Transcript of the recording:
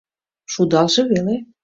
— Шудалже веле